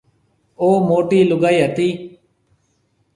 او موٽِي لُگائِي هتي۔